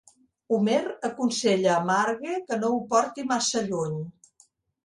Homer aconsella a Marge que no ho porti massa lluny.